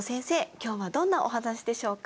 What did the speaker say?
今日はどんなお話でしょうか？